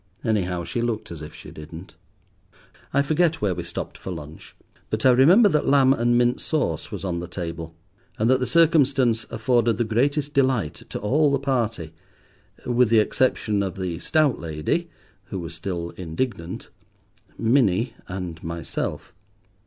Anyhow, she looked as if she didn't. I forget where we stopped for lunch, but I remember that lamb and mint sauce was on the table, and that the circumstance afforded the greatest delight to all the party, with the exception of the stout lady, who was still indignant, Minnie and myself.